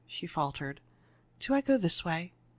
she faltered. "Do I go this way?"